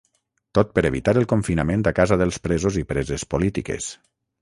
Tot per evitar el confinament a casa dels presos i preses polítiques.